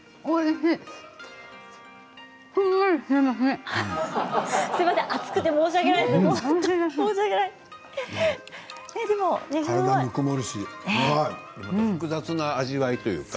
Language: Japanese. おいしい。